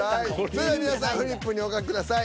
それでは皆さんフリップにお書きください。